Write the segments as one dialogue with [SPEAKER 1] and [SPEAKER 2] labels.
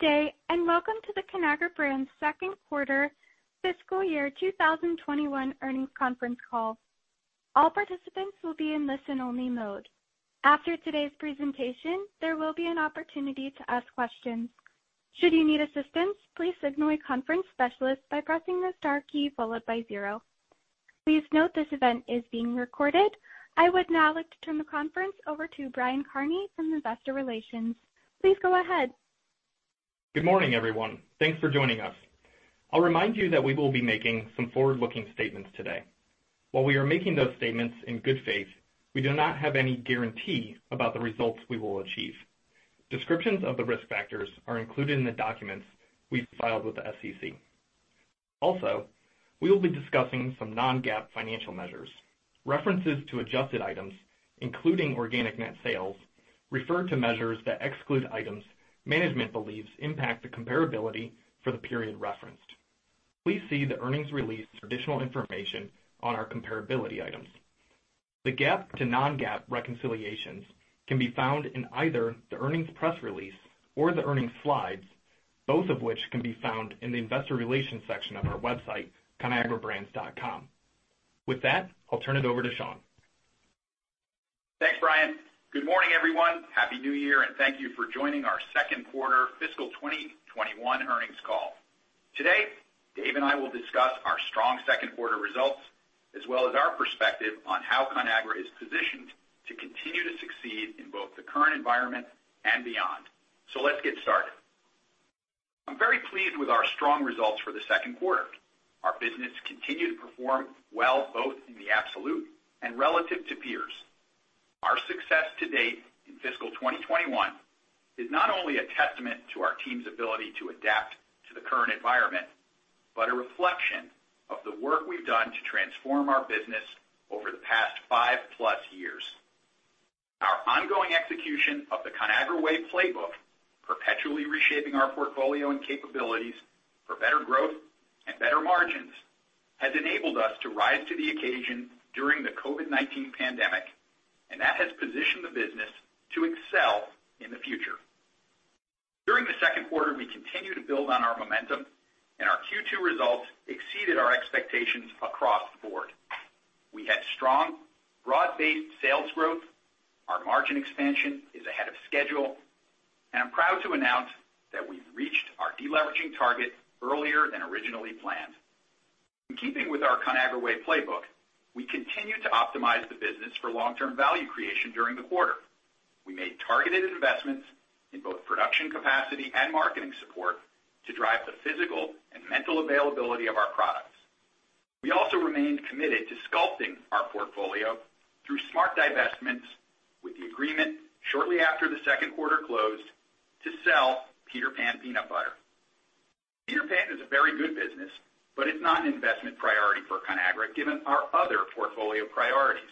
[SPEAKER 1] Good day, and welcome to the Conagra Brands second quarter fiscal year 2021 earnings conference call. All participants will be in a listen-only mode. After today's presentation, there will be an opportunity to ask questions. Should you need assistance, please signal a conference specialist by pressing the star key followed by zero. Please note this event is being recorded. I would now like to turn the conference over to Brian Kearney from Investor Relations. Please go ahead.
[SPEAKER 2] Good morning, everyone. Thanks for joining us. I'll remind you that we will be making some forward-looking statements today. While we are making those statements in good faith, we do not have any guarantee about the results we will achieve. Descriptions of the risk factors are included in the documents we filed with the SEC. Also, we will be discussing some non-GAAP financial measures. References to adjusted items, including organic net sales, refer to measures that exclude items management believes impact the comparability for the period referenced. Please see the earnings release for additional information on our comparability items. The GAAP to non-GAAP reconciliations can be found in either the earnings press release or the earnings slides, both of which can be found in the investor relations section of our website, conagrabrands.com. With that, I'll turn it over to Sean.
[SPEAKER 3] Thanks, Brian. Good morning, everyone. Happy New Year and thank you for joining our second quarter fiscal 2021 earnings call. Today, Dave and I will discuss our strong second quarter results, as well as our perspective on how Conagra is positioned to continue to succeed in both the current environment and beyond, so let's get started. I'm very pleased with our strong results for the second quarter. Our business continued to perform well both in the absolute and relative to peers. Our success to date in fiscal 2021 is not only a testament to our team's ability to adapt to the current environment, but a reflection of the work we've done to transform our business over the past five-plus years. Our ongoing execution of the Conagra Way playbook, perpetually reshaping our portfolio and capabilities for better growth and better margins, has enabled us to rise to the occasion during the COVID-19 pandemic, and that has positioned the business to excel in the future. During the second quarter, we continued to build on our momentum. Our Q2 results exceeded our expectations across the board. We had strong, broad-based sales growth. Our margin expansion is ahead of schedule. I'm proud to announce that we've reached our deleveraging target earlier than originally planned. In keeping with our Conagra Way playbook, we continued to optimize the business for long-term value creation during the quarter. We made targeted investments in both production capacity and marketing support to drive the physical and mental availability of our products. We also remained committed to sculpting our portfolio through smart divestments with the agreement shortly after the second quarter closed to sell Peter Pan Peanut Butter. Peter Pan is a very good business, but it's not an investment priority for Conagra given our other portfolio priorities.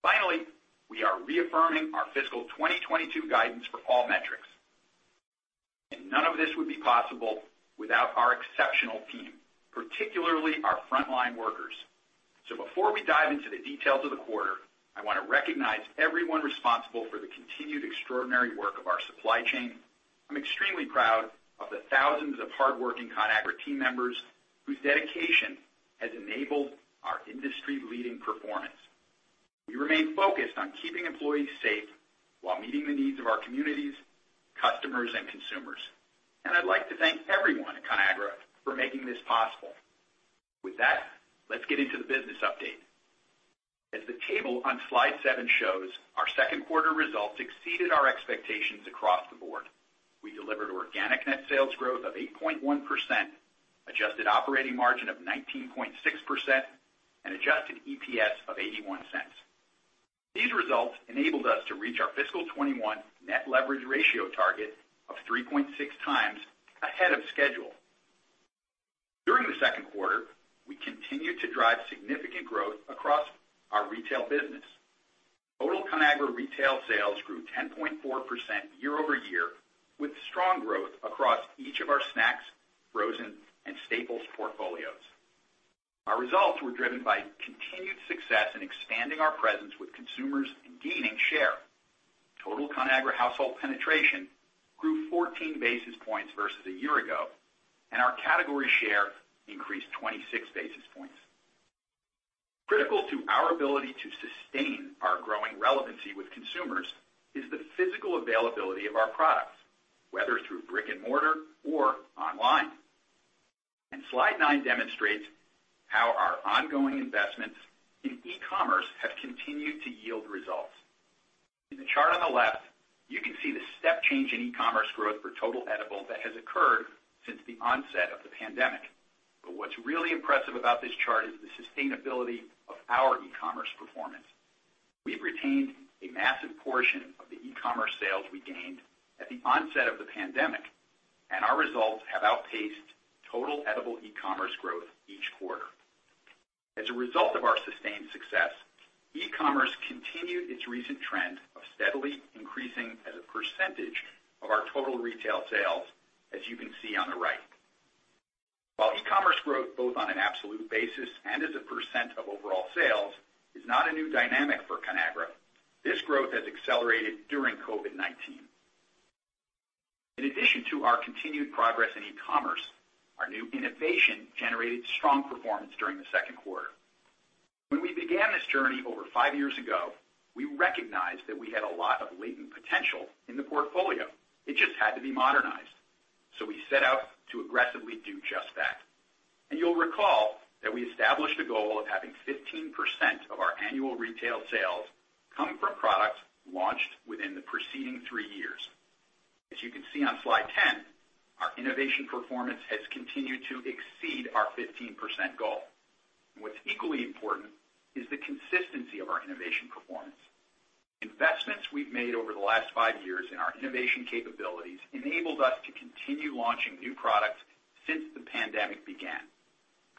[SPEAKER 3] Finally, we are reaffirming our fiscal 2022 guidance for all metrics. None of this would be possible without our exceptional team, particularly our frontline workers, so before we dive into the details of the quarter, I want to recognize everyone responsible for the continued extraordinary work of our supply chain. I'm extremely proud of the thousands of hardworking Conagra team members whose dedication has enabled our industry-leading performance. We remain focused on keeping employees safe while meeting the needs of our communities, customers, and consumers, and I'd like to thank everyone at Conagra for making this possible. With that, let's get into the business update. As the table on slide seven shows, our second quarter results exceeded our expectations across the board. We delivered organic net sales growth of 8.1%, adjusted operating margin of 19.6%, and adjusted EPS of $0.81. These results enabled us to reach our fiscal 2021 net leverage ratio target of 3.6x ahead of schedule. During the second quarter, we continued to drive significant growth across our retail business. Total Conagra retail sales grew 10.4% year-over-year, with strong growth across each of our snacks, frozen, and staples portfolios. Our results were driven by continued success in expanding our presence with consumers and gaining share. Total Conagra household penetration grew 14 basis points versus a year ago, and our category share increased 26 basis points. Critical to our ability to sustain our growing relevancy with consumers is the physical availability of our products, whether through brick and mortar or online. Slide nine demonstrates how our ongoing investments in e-commerce have continued to yield results. In the chart on the left, you can see the step change in e-commerce growth for total edible that has occurred since the onset of the pandemic. What's really impressive about this chart is the sustainability of our e-commerce performance. We've retained a massive portion of the e-commerce sales we gained at the onset of the pandemic, and our results have outpaced total edible e-commerce growth each quarter. As a result of our sustained success, e-commerce continued its recent trend of steadily increasing as a percentage of our total retail sales, as you can see on the right. While e-commerce growth, both on an absolute basis and as a percent of overall sales, it's not a new dynamic for Conagra. This growth has accelerated during COVID-19. In addition to our continued progress in e-commerce, our new innovation generated strong performance during the second quarter. When we began this journey over five years ago, we recognized that we had a lot of latent potential in the portfolio. It just had to be modernized, so we set out to aggressively do just that. You'll recall that we established a goal of having 15% of our annual retail sales coming from products launched within the preceding three years. As you can see on slide 10, our innovation performance has continued to exceed our 15% goal. What's equally important is the consistency of our innovation performance. Investments we've made over the last five years in our innovation capabilities enabled us to continue launching new products since the pandemic began.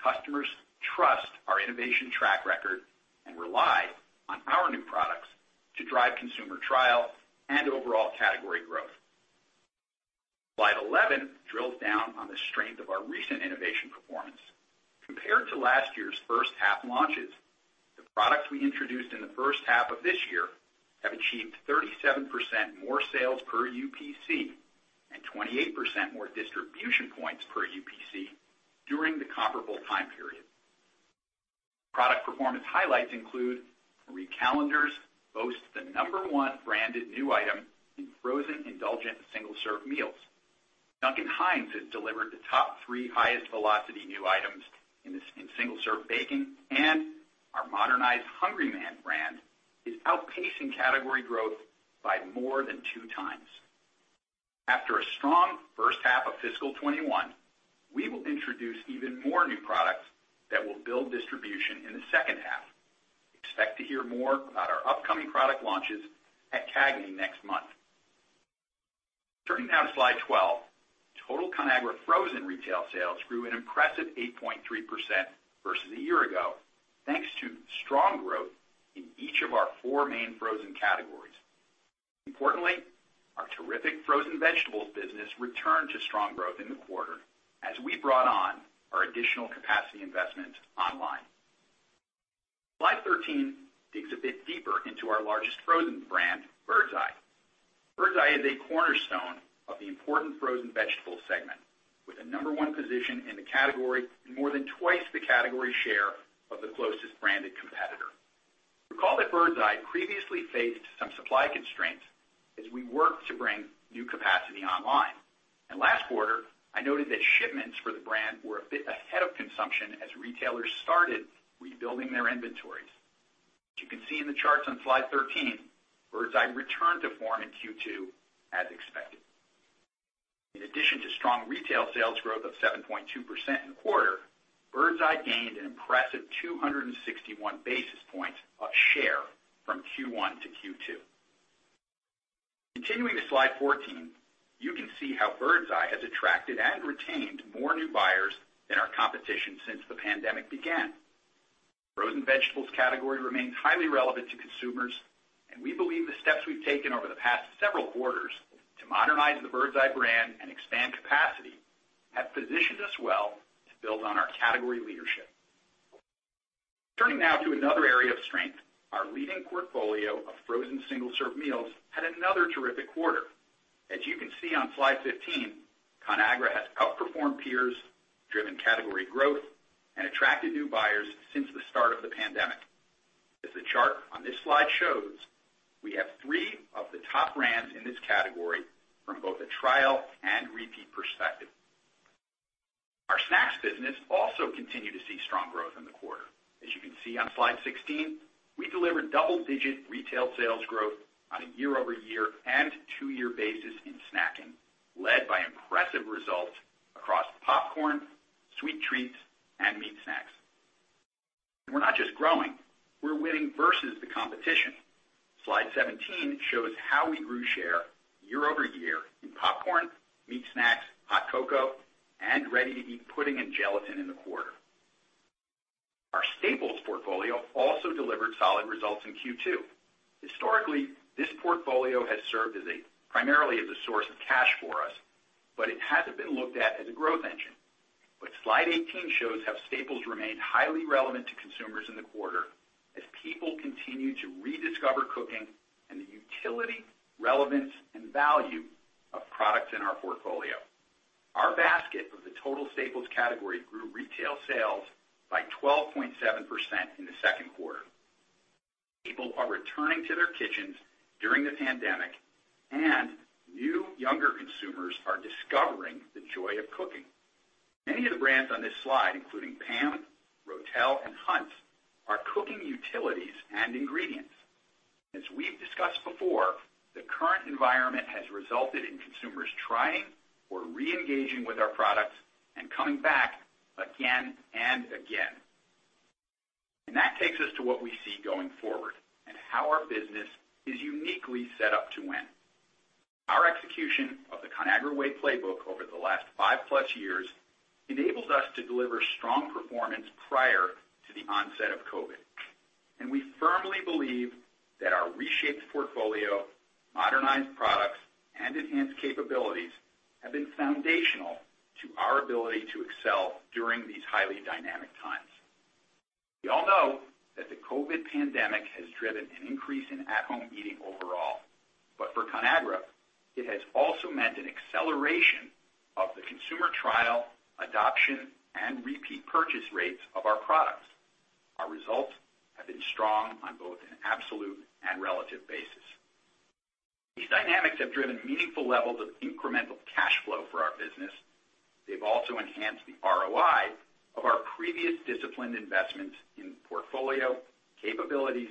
[SPEAKER 3] Customers trust our innovation track record and rely on our new products to drive consumer trial and overall category growth. Slide 11 drills down on the strength of our recent innovation performance. Compared to last year's first half launches, the products we introduced in the first half of this year have achieved 37% more sales per UPC and 28% more distribution points per UPC during the comparable time period. Product performance highlights include Marie Callender's boasts the number one branded new item in frozen indulgent single-serve meals; Duncan Hines has delivered the top three highest velocity new items in single-serve baking; and our modernized Hungry-Man brand is outpacing category growth by more than two times. After a strong first half of fiscal 2021, we will introduce even more new products that will build distribution in the second half. Expect to hear more about our upcoming product launches at CAGNY next month. Turning now to slide 12, total Conagra frozen retail sales grew an impressive 8.3% versus a year ago, thanks to strong growth in each of our four main frozen categories. Importantly, our terrific frozen vegetables business returned to strong growth in the quarter as we brought on our additional capacity investment online. Slide 13 digs a bit deeper into our largest frozen brand, Birds Eye. Birds Eye is a cornerstone of the important frozen vegetable segment, with the number one position in the category and more than twice the category share of the closest branded competitor. Recall that Birds Eye previously faced some supply constraints as we worked to bring new capacity online, and last quarter, I noted that shipments for the brand were a bit ahead of consumption as retailers started rebuilding their inventories. As you can see in the charts on slide 13, Birds Eye returned to form in Q2, as expected. In addition to strong retail sales growth of 7.2% in the quarter, Birds Eye gained an impressive 261 basis points of share from Q1 to Q2. Continuing to slide 14, you can see how Birds Eye has attracted and retained more new buyers than our competition since the pandemic began. Frozen vegetables category remains highly relevant to consumers, and we believe the steps we've taken over the past several quarters to modernize the Birds Eye brand and expand capacity have positioned us well to build on our category leadership. Turning now to another area of strength, our leading portfolio of frozen single-serve meals had another terrific quarter. As you can see on slide 15, Conagra has outperformed peers, driven category growth, and attracted new buyers since the start of the pandemic. As the chart on this slide shows, we have three of the top brands in this category from both a trial and repeat perspective. Our snacks business also continued to see strong growth in the quarter. As you can see on slide 16, we delivered double-digit retail sales growth on a year-over-year and two-year basis in snacking, led by impressive results across popcorn, sweet treats, and meat snacks. We're not just growing; we're winning versus the competition. Slide 17 shows how we grew share year-over-year in popcorn, meat snacks, hot cocoa, and ready-to-eat pudding and gelatin in the quarter. Our staples portfolio also delivered solid results in Q2. Historically, this portfolio has served primarily as a source of cash for us, but it hasn't been looked at as a growth engine. Slide 18 shows how staples remained highly relevant to consumers in the quarter as people continue to rediscover cooking and the utility, relevance, and value of products in our portfolio. Our basket of the total staples category grew retail sales by 12.7% in the second quarter. People are returning to their kitchens during the pandemic, and new younger consumers are discovering the joy of cooking. Many of the brands on this slide, including PAM, RO*TEL, and Hunt's, are cooking utilities and ingredients. As we've discussed before, the current environment has resulted in consumers trying or re-engaging with our products and coming back again and again. That takes us to what we see going forward and how our business is uniquely set up to win. Our execution of the Conagra Way playbook over the last five-plus years enabled us to deliver strong performance prior to the onset of COVID, and we firmly believe that our reshaped portfolio, modernized products, and enhanced capabilities have been foundational to our ability to excel during these highly dynamic times. We all know that the COVID pandemic has driven an increase in at-home eating overall, but for Conagra, it has also meant an acceleration of the consumer trial, adoption, and repeat purchase rates of our products. Our results have been strong on both an absolute and relative basis. These dynamics have driven meaningful levels of incremental cash flow for our business. They've also enhanced the ROI of our previous disciplined investments in portfolio, capabilities,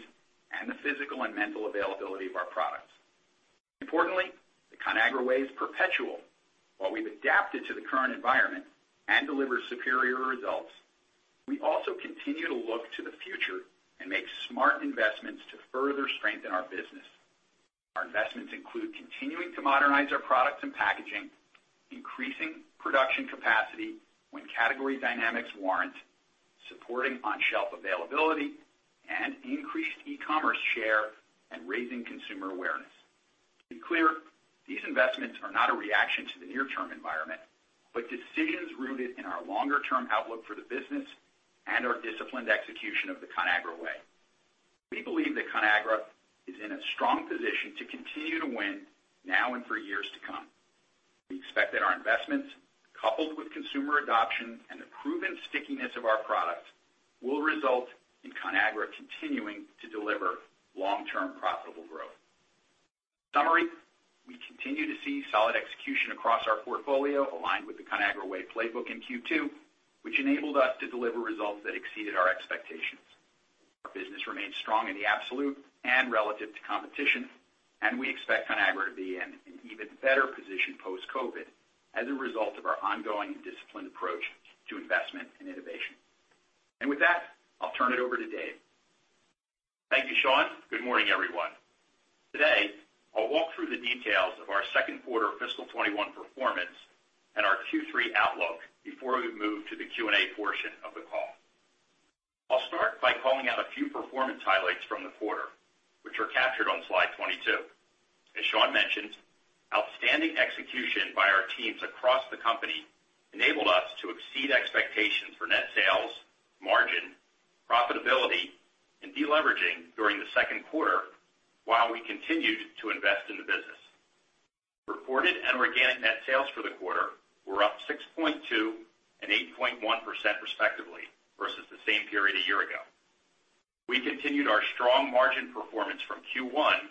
[SPEAKER 3] and the physical and mental availability of our products. Importantly, the Conagra Way is perpetual. While we've adapted to the current environment and deliver superior results, we also continue to look to the future and make smart investments to further strengthen our business. Our investments include continuing to modernize our products and packaging, increasing production capacity when category dynamics warrant, supporting on-shelf availability, and increased e-commerce share, and raising consumer awareness. To be clear, these investments are not a reaction to the near-term environment, but decisions rooted in our longer-term outlook for the business and our disciplined execution of the Conagra Way. We believe that Conagra is in a strong position to continue to win now and for years to come. We expect that our investments, coupled with consumer adoption, and the proven stickiness of our products, will result in Conagra continuing to deliver long-term profitable growth. In summary, we continue to see solid execution across our portfolio aligned with the Conagra Way playbook in Q2, which enabled us to deliver results that exceeded our expectations. Our business remains strong in the absolute and relative to competition, and we expect Conagra to be in an even better position post-COVID as a result of our ongoing and disciplined approach to investment and innovation. With that, I'll turn it over to Dave.
[SPEAKER 4] Thank you, Sean. Good morning, everyone. Today, I'll walk through the details of our second quarter fiscal 2021 performance and our Q3 outlook before we move to the Q&A portion of the call. I'll start by calling out a few performance highlights from the quarter, which are captured on slide 22. As Sean mentioned, outstanding execution by our teams across the company enabled us to exceed expectations for net sales, margin, profitability, and deleveraging during the second quarter, while we continued to invest in the business. Reported and organic net sales for the quarter were up 6.2% and 8.1% respectively versus the same period a year ago. We continued our strong margin performance from Q1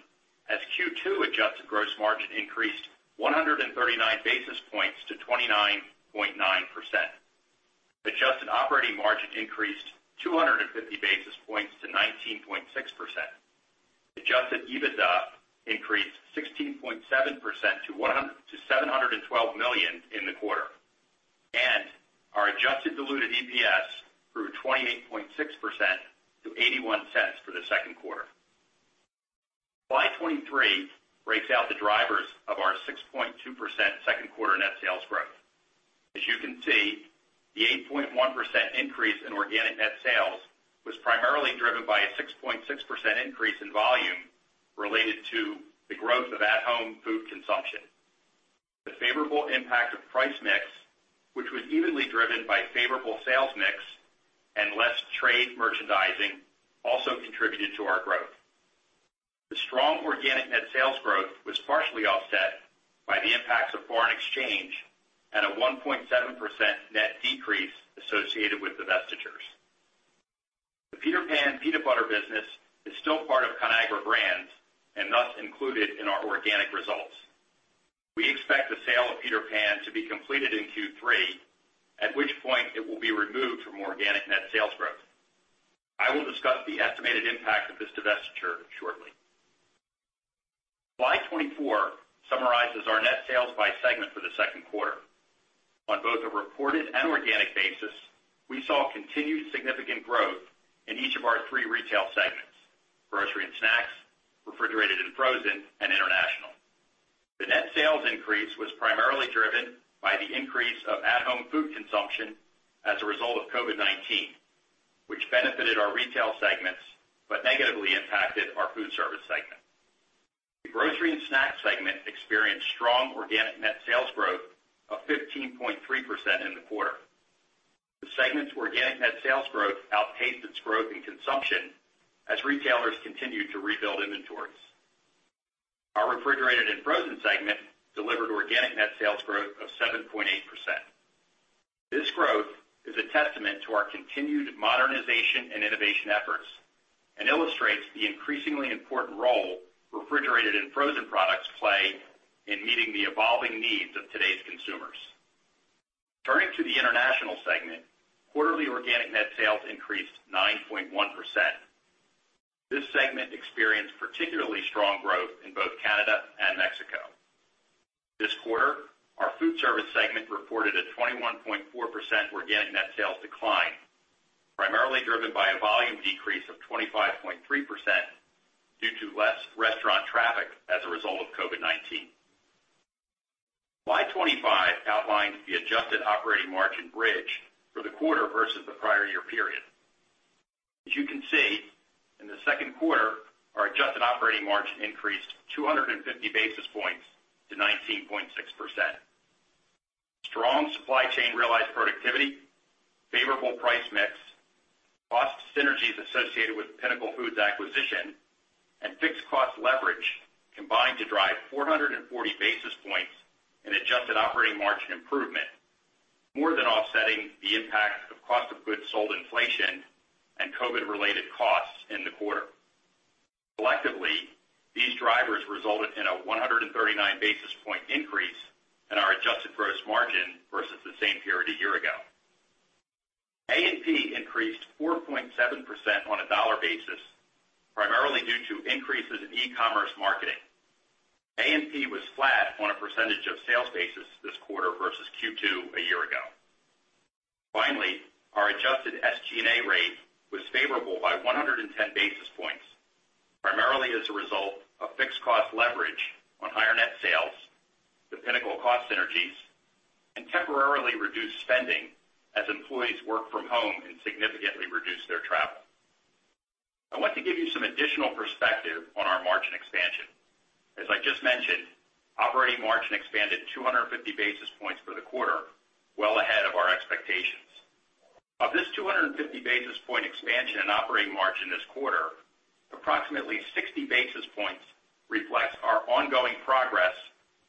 [SPEAKER 4] as Q2 adjusted gross margin increased 139 basis points to 29.9%. Adjusted operating margin increased 250 basis points to 19.6%. Adjusted EBITDA increased 16.7% to $712 million in the quarter, and our adjusted diluted EPS grew 28.6% to $0.81 for the second quarter. Slide 23 breaks out the drivers of our 6.2% second quarter net sales growth. As you can see, the 8.1% increase in organic net sales was primarily driven by a 6.6% increase in volume related to the growth of at-home food consumption. The favorable impact of price mix, which was evenly driven by favorable sales mix and less trade merchandising, also contributed to our growth. The strong organic net sales growth was partially offset by the impacts of foreign exchange and a 1.7% net decrease associated with divestitures. The Peter Pan Peanut Butter business is still part of Conagra Brands and thus included in our organic results. We expect the sale of Peter Pan to be completed in Q3, at which point it will be removed from organic net sales growth. I will discuss the estimated impact of this divestiture shortly. Slide 24 summarizes our net sales by segment for the second quarter. On both a reported and organic basis, we saw continued significant growth in each of our three retail segments, Grocery and Snacks, Refrigerated and Frozen, and International. The net sales increase was primarily driven by the increase of at-home food consumption as a result of COVID-19, which benefited our retail segments, but negatively impacted our Foodservice segment. The Grocery and Snacks segment experienced strong organic net sales growth of 15.3% in the quarter. The segment's organic net sales growth outpaced its growth in consumption as retailers continued to rebuild inventories. Our Refrigerated and Frozen segment delivered organic net sales growth of 7.8%. This growth is a testament to our continued modernization and innovation efforts and illustrates the increasingly important role refrigerated and frozen products play in meeting the evolving needs of today's consumers. Turning to the International segment, quarterly organic net sales increased 9.1%. This segment experienced particularly strong growth in both Canada and Mexico. This quarter, our Foodservice segment reported a 21.4% organic net sales decline, primarily driven by a volume decrease of 25.3% due to less restaurant traffic as a result of COVID-19. Slide 25 outlines the adjusted operating margin bridge for the quarter versus the prior-year period. As you can see, in the second quarter, our adjusted operating margin increased 250 basis points to 19.6%. Strong supply chain realized productivity, favorable price mix, cost synergies associated with Pinnacle Foods acquisition, and fixed cost leverage combined to drive 440 basis points in adjusted operating margin improvement, more than offsetting the impact of cost of goods sold inflation and COVID-related costs in the quarter. Collectively, these drivers resulted in a 139-basis-point increase in our adjusted gross margin versus the same period a year ago. A&P increased 4.7% on a dollar basis, primarily due to increases in e-commerce marketing. A&P was flat on a percentage of sales basis this quarter versus Q2 a year ago. Finally, our adjusted SG&A rate was favorable by 110 basis points, primarily as a result of fixed cost leverage on higher net sales to Pinnacle cost synergies and temporarily reduced spending as employees work from home and significantly reduce their travel. I want to give you some additional perspective on our margin expansion. As I just mentioned, operating margin expanded 250 basis points for the quarter, well ahead of our expectations. Of this 250-basis-point expansion in operating margin this quarter, approximately 60 basis points reflects our ongoing progress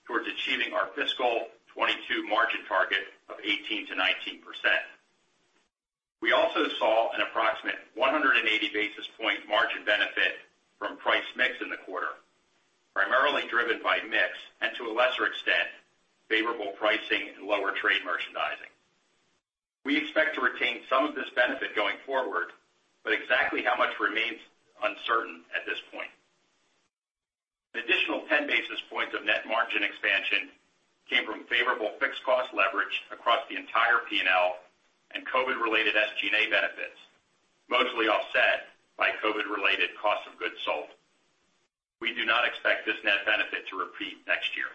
[SPEAKER 4] towards achieving our fiscal 2022 margin target of 18%-19%. We also saw an approximate 180-basis-point margin benefit from price mix in the quarter, primarily driven by mix and to a lesser extent, favorable pricing and lower trade merchandising. We expect to retain some of this benefit going forward, but exactly how much remains uncertain at this point. An additional 10 basis points of net margin expansion came from favorable fixed cost leverage across the entire P&L and COVID-related SG&A benefits, mostly offset by COVID-related cost of goods sold. We do not expect this net benefit to repeat next year.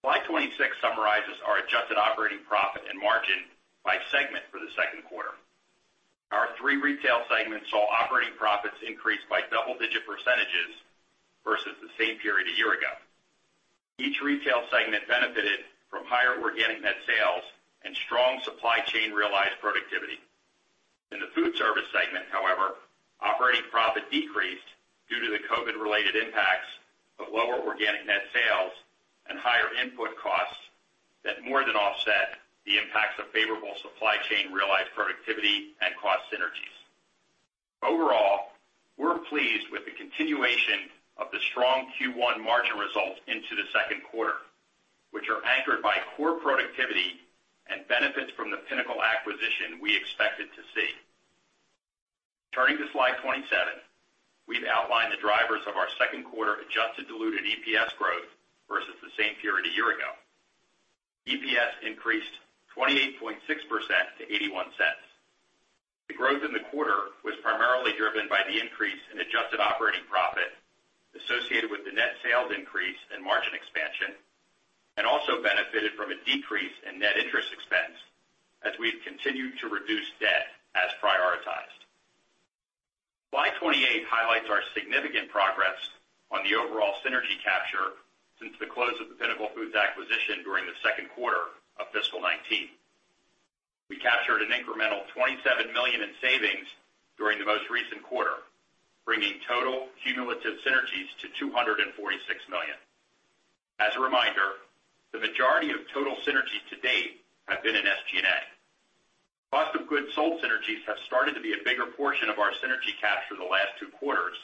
[SPEAKER 4] Slide 26 summarizes our adjusted operating profit and margin by segment for the second quarter. Our three retail segments saw operating profits increase by double-digit percentages versus the same period a year ago. Each retail segment benefited from higher organic net sales and strong supply chain realized productivity. In the Foodservice segment, however, operating profit decreased due to the COVID-related impacts of lower organic net sales and higher input costs that more than offset the impacts of favorable supply chain realized productivity and cost synergies. Overall, we're pleased with the continuation of the strong Q1 margin results into the second quarter, which are anchored by core productivity and benefits from the Pinnacle acquisition we expected to see. Turning to slide 27, we've outlined the drivers of our second quarter adjusted diluted EPS growth versus the same period a year ago. EPS increased 28.6% to $0.81. The growth in the quarter was primarily driven by the increase in adjusted operating profit associated with the net sales increase and margin expansion, and also benefited from a decrease in net interest expense as we've continued to reduce debt as prioritized. Slide 28 highlights our significant progress on the overall synergy capture since the close of the Pinnacle Foods acquisition during the second quarter of fiscal 2019. We captured an incremental $27 million in savings during the most recent quarter, bringing total cumulative synergies to $246 million. As a reminder, the majority of total synergies to date have been in SG&A. Cost of goods sold synergies have started to be a bigger portion of our synergy capture the last two quarters,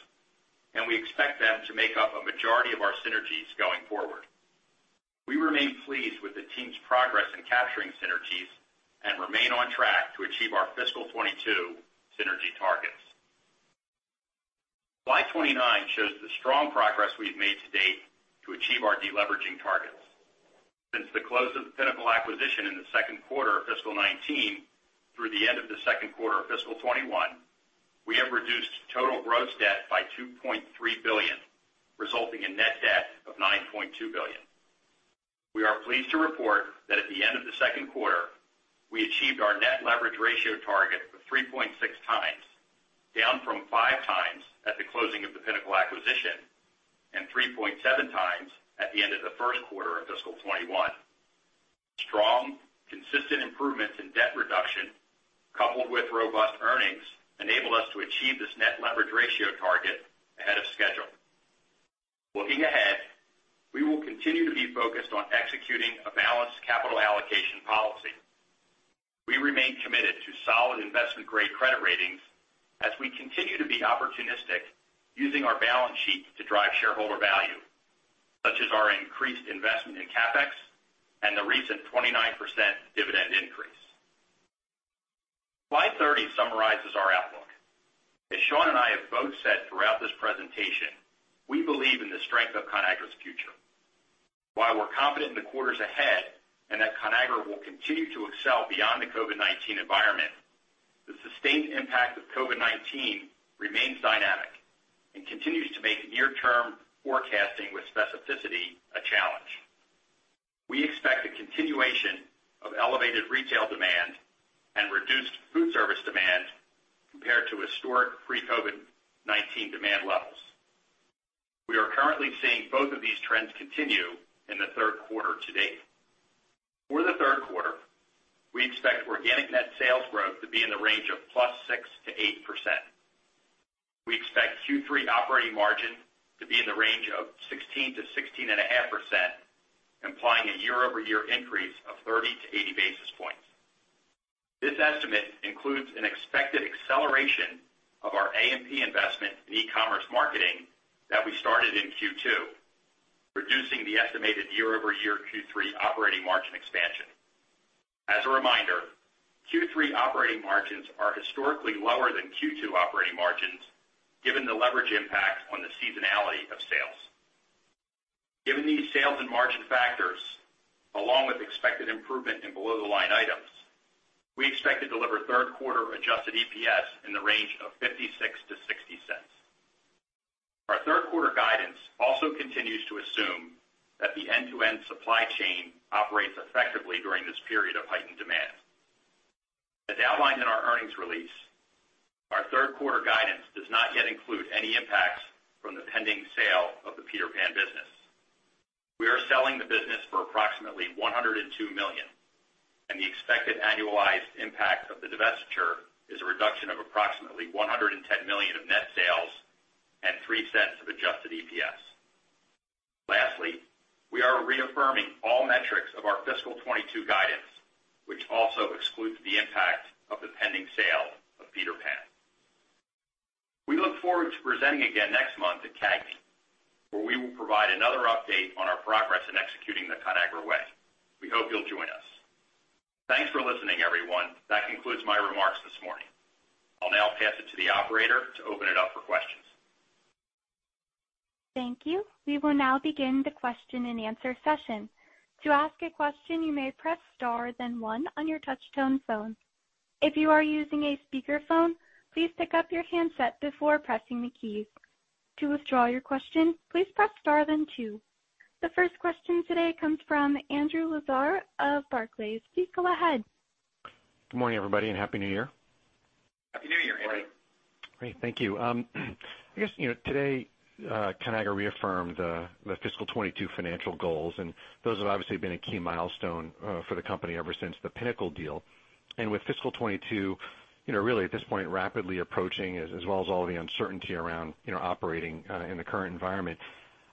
[SPEAKER 4] and we expect them to make up a majority of our synergies going forward. We remain pleased with the team's progress in capturing synergies and remain on track to achieve our fiscal 2022 synergy targets. Slide 29 shows the strong progress we've made to date to achieve our deleveraging targets. Since the close of the Pinnacle acquisition in the second quarter of fiscal 2019 through the end of the second quarter of fiscal 2021, we have reduced total gross debt by $2.3 billion, resulting in net debt of $9.2 billion. We are pleased to report that at the end of the second quarter, we achieved our net leverage ratio target of 3.6x, down from 5x at the closing of the Pinnacle acquisition and 3.7x at the end of the first quarter of fiscal 2021. Strong, consistent improvements in debt reduction coupled with robust earnings enabled us to achieve this net leverage ratio target ahead of schedule. Looking ahead, we will continue to be focused on executing a balanced capital allocation policy. We remain committed to solid investment-grade credit ratings as we continue to be opportunistic using our balance sheet to drive shareholder value, such as our increased investment in CapEx and the recent 29% dividend increase. Slide 30 summarizes our outlook. As Sean and I have both said throughout this presentation, we believe in the strength of Conagra's future. While we're confident in the quarters ahead and that Conagra will continue to excel beyond the COVID-19 environment, the sustained impact of COVID-19 remains dynamic and continues to make near-term forecasting with specificity a challenge. We expect a continuation of elevated retail demand and reduced foodservice demand compared to historic pre-COVID-19 demand levels. We are currently seeing both of these trends continue in the third quarter-to-date. For the third quarter, we expect organic net sales growth to be in the range of +6% to 8%. We expect Q3 operating margin to be in the range of 16%-16.5%, implying a year-over-year increase of 30-80 basis points. This estimate includes an expected acceleration of our A&P investment in e-commerce marketing that we started in Q2, reducing the estimated year-over-year Q3 operating margin expansion. As a reminder, Q3 operating margins are historically lower than Q2 operating margins, given the leverage impact on the seasonality of sales. Given these sales and margin factors, along with expected improvement in below-the-line items, we expect to deliver third quarter adjusted EPS in the range of $0.56-$0.60. Our third quarter guidance also continues to assume that the end-to-end supply chain operates effectively during this period of heightened demand. As outlined in our earnings release, our third quarter guidance does not yet include any impacts from the pending sale of the Peter Pan business. We are selling the business for approximately $102 million, and the expected annualized impact of the divestiture is a reduction of approximately $110 million of net sales and $0.03 of adjusted EPS. Lastly, we are reaffirming all metrics of our fiscal 2022 guidance, which also excludes the impact of the pending sale of Peter Pan. We look forward to presenting again next month at CAGNY, where we will provide another update on our progress in executing the Conagra Way. We hope you'll join us. Thanks for listening, everyone. That concludes my remarks this morning. I'll now pass it to the operator to open it up for questions.
[SPEAKER 1] Thank you. We will now begin the question-and-answer session. To ask a question, you may press star then one on your touch-tone phone. If you are using a speaker phone, please pick up your handset before pressing the keys. To withdraw your question, please press star then two. The first question today comes from Andrew Lazar of Barclays. Please go ahead.
[SPEAKER 5] Good morning, everybody, and happy New Year.
[SPEAKER 3] Happy New Year, Andrew.
[SPEAKER 4] Good morning.
[SPEAKER 5] Great. Thank you. I guess, today, Conagra reaffirmed the fiscal 2022 financial goals, and those have obviously been a key milestone for the company ever since the Pinnacle deal. And with fiscal 2022, really at this point, rapidly approaching, as well as all the uncertainty around operating in the current environment,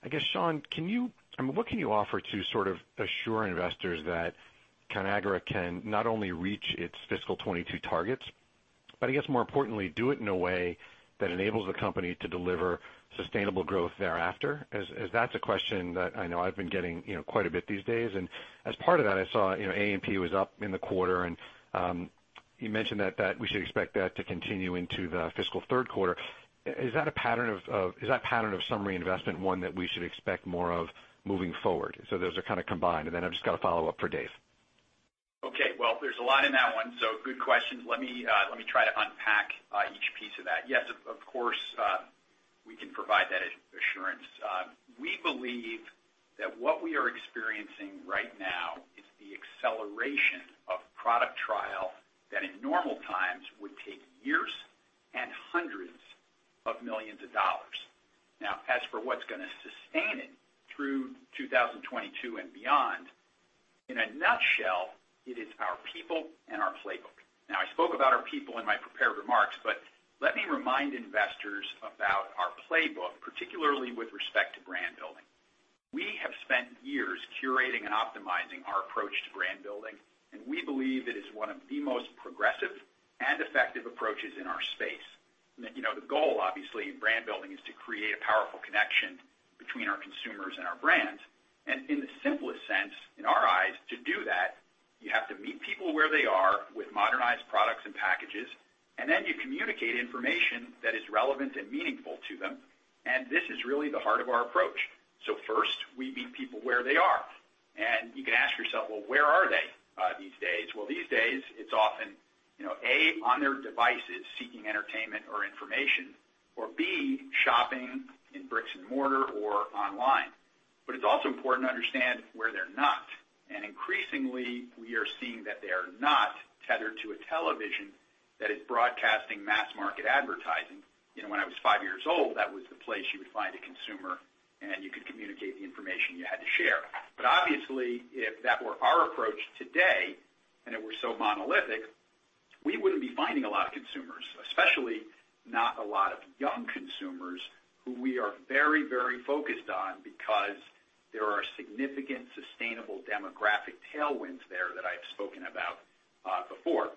[SPEAKER 5] I guess, Sean, can you, what can you offer to sort of assure investors that Conagra can not only reach its fiscal 2022 targets, but I guess more importantly, do it in a way that enables the company to deliver sustainable growth thereafter? As that's a question that I know I've been getting, you know, quite a bit these days. As part of that, I saw A&P was up in the quarter, and you mentioned that we should expect that to continue into the fiscal third quarter, is that pattern of some reinvestment one that we should expect more of moving forward? Those are kind of combined, and then I've just got a follow-up for Dave.
[SPEAKER 3] Okay. Well, there's a lot in that one, so good questions. Let me try to unpack each piece of that. Yes, of course, we can provide that assurance. We believe that what we are experiencing right now is the acceleration of product trial that in normal times would take years and hundreds of millions of dollars. As for what's gonna sustain it through 2022 and beyond, in a nutshell, it is our people and our playbook. I spoke about our people in my prepared remarks, but let me remind investors about our playbook, particularly with respect to brand building. We have spent years curating and optimizing our approach to brand building, and we believe it is one of the most progressive and effective approaches in our space. The goal, obviously, in brand building is to create a powerful connection between our consumers and our brands. In the simplest sense, in our eyes, to do that, you have to meet people where they are with modernized products and packages, and then you communicate information that is relevant and meaningful to them, and this is really the heart of our approach. So, first, we meet people where they are. You can ask yourself, "Well, where are they these days?" Well, these days, it's often, A, on their devices seeking entertainment or information or, B, shopping in bricks and mortar or online. But it's also important to understand where they're not, and increasingly, we are seeing that they are not tethered to a television that is broadcasting mass market advertising. When I was five years old, that was the place you would find a consumer, and you could communicate the information you had to share. Obviously, if that were our approach today and it were so monolithic, we wouldn't be finding a lot of consumers, especially not a lot of young consumers who we are very, very focused on because there are significant, sustainable demographic tailwinds there that I've spoken about before.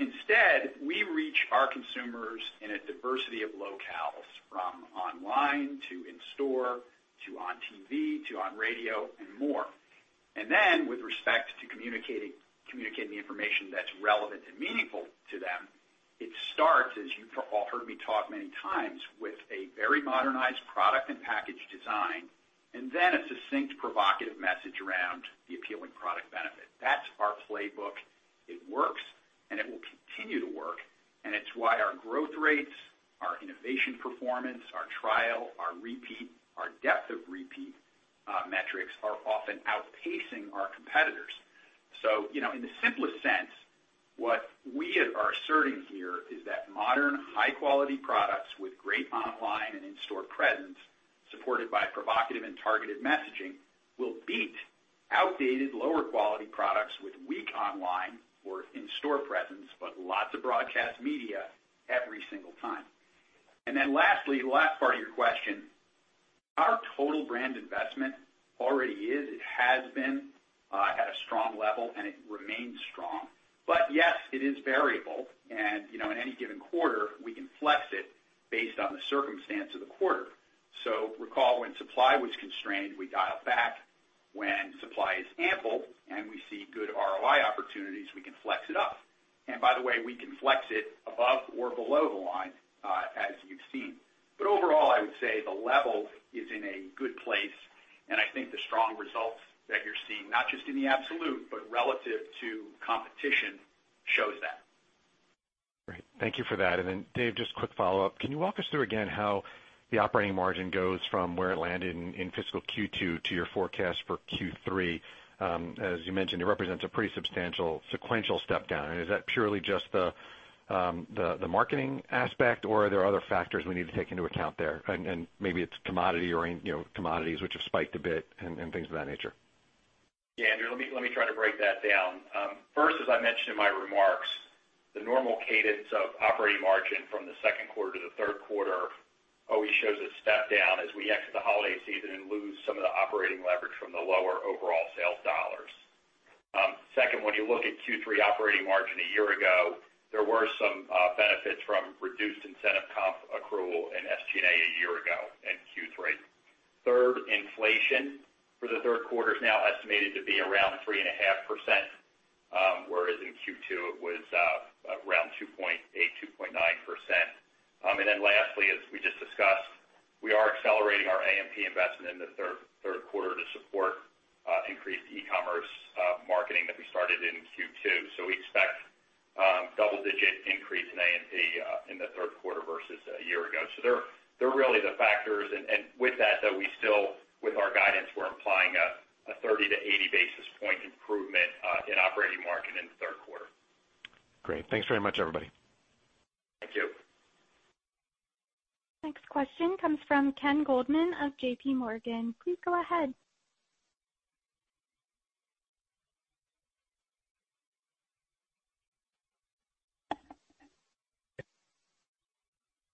[SPEAKER 3] Instead, we reach our consumers in a diversity of locales, from online to in-store, to on TV, to on radio, and more. Then, with respect to communicating the information that's relevant and meaningful to them, it starts, as you've all heard me talk many times, with a very modernized product and package design and then a succinct, provocative message around the appealing product benefit. That's our playbook. It works, and it will continue to work, and it's why our growth rates, our innovation performance, our trial, our repeat, our depth of repeat metrics are often outpacing our competitors. In the simplest sense, what we are asserting here is that modern high-quality products with great online and in-store presence, supported by provocative and targeted messaging, will beat outdated lower-quality products with weak online or in-store presence, but lots of broadcast media every single time. Lastly, the last part of your question, our total brand investment already is, it has been, at a strong level, and it remains strong. Yes, it is variable, and in any given quarter, we can flex it based on the circumstance of the quarter. Recall, when supply was constrained, we dialed back. When supply is ample and we see good ROI opportunities, we can flex it up. By the way, we can flex it above or below the line, as you've seen. Overall, I would say the level is in a good place, and I think the strong results that you're seeing, not just in the absolute, but relative to competition, shows that.
[SPEAKER 5] Great. Thank you for that. And Dave, just quick follow-up. Can you walk us through again how the operating margin goes from where it landed in fiscal Q2 to your forecast for Q3? As you mentioned, it represents a pretty substantial sequential step down. Is that purely just the marketing aspect, or are there other factors we need to take into account there? Maybe it's commodity or commodities which have spiked a bit and things of that nature.
[SPEAKER 4] Yeah, Andrew, let me try to break that down. First, as I mentioned in my remarks, the normal cadence of operating margin from the second quarter to the third quarter always shows a step down as we exit the holiday season and lose some of the operating leverage from the lower overall sales dollars. Second, when you look at Q3 operating margin a year ago, there were some benefits from reduced incentive comp accrual and SG&A a year ago in Q3. Third, inflation for the third quarter is now estimated to be around 3.5%, whereas in Q2 it was around 2.8%-2.9%. Lastly, as we just discussed, we are accelerating our A&P investment in the third quarter to support increased e-commerce marketing that we started in Q2, so we expect double-digit increase in A&P in the third quarter versus a year ago. They're really the factors. With that, though, we still, with our guidance, we're implying a 30-80-basis-point improvement in operating margin in the third quarter.
[SPEAKER 5] Great. Thanks very much, everybody.
[SPEAKER 4] Thank you.
[SPEAKER 1] Next question comes from Ken Goldman of JPMorgan. Please go ahead.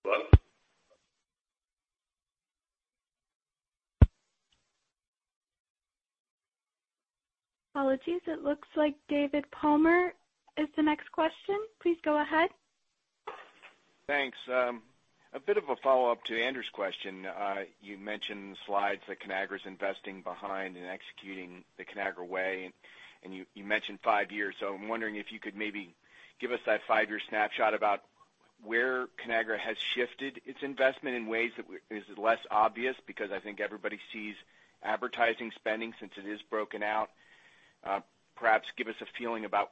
[SPEAKER 3] Hello?
[SPEAKER 1] Apologies. It looks like David Palmer is the next question. Please go ahead.
[SPEAKER 6] Thanks. A bit of a follow-up to Andrew's question. You mentioned in the slides that Conagra's investing behind and executing the Conagra Way, and you mentioned five years, so I'm wondering if you could maybe give us that five-year snapshot about where Conagra has shifted its investment in ways that is less obvious, because I think everybody sees advertising spending since it is broken out. Perhaps, give us a feeling about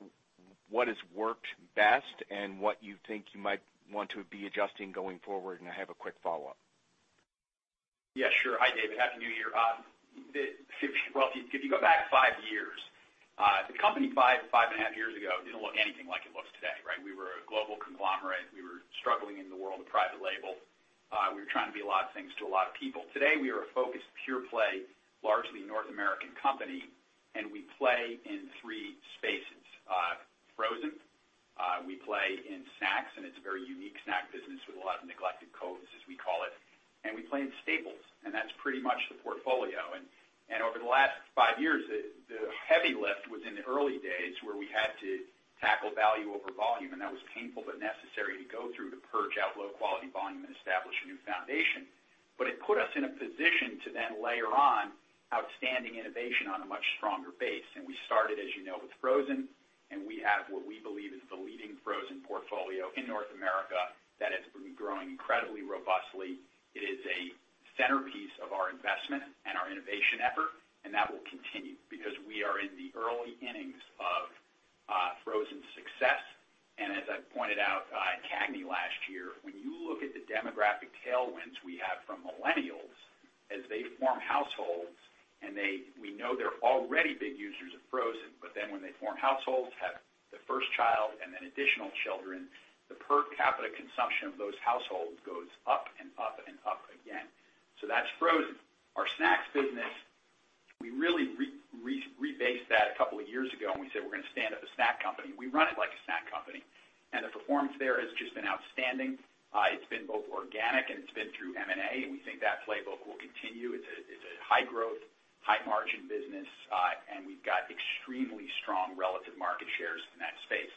[SPEAKER 6] what has worked best and what you think you might want to be adjusting going forward, and I have a quick follow-up.
[SPEAKER 3] Yeah, sure. Hi, David. Happy New Year. Well, if you go back five years, the company, five and a half years ago, didn't look anything like it looks today, right? We were a global conglomerate. We were struggling in the world of private label. We were trying to be a lot of things to a lot of people. Today, we are a focused pure play, largely North American company, and we play in three spaces: frozen; we play in snacks, it's a very unique snack business with a lot of neglected codes, as we call it; and we play in staples. That's pretty much the portfolio, and over the last five years, the heavy lift was in the early days where we had to tackle value over volume. That was painful but necessary to go through to purge out low-quality volume and establish a new foundation. But it put us in a position to then layer on outstanding innovation on a much stronger base. We started, as you know, with frozen, and we have what we believe is the leading frozen portfolio in North America that has been growing incredibly robustly. It is a centerpiece of our investment and our innovation effort, and that will continue because we are in the early innings of frozen success. As I pointed out at CAGNY last year, when you look at the demographic tailwinds we have from millennials, as they form households, and we know they're already big users of frozen, but then when they form households, have the first child, and then additional children, the per capita consumption of those households goes up and up and up again. That's frozen. Our snacks business, we really rebased that a couple of years ago, and we said we're going to stand up a snack company. We run it like a snack company, and the performance there has just been outstanding. It's been both organic and it's been through M&A, and we think that playbook will continue. It's a high growth, high margin business, and we've got extremely strong relative market shares in that space.